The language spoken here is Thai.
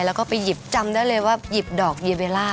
แล้วก็ไปหยิบจำได้เลยว่าหยิบดอกเยเบลล่า